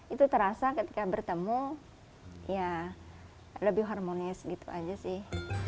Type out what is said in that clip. itu terasa ketika bertemu ya lebih harmonis gitu aja sih